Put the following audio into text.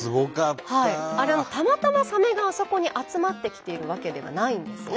あれたまたまサメがあそこに集まってきているわけではないんですね。